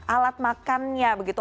alat makannya begitu